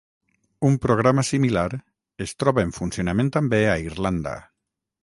Un programa similar es troba en funcionament també a Irlanda.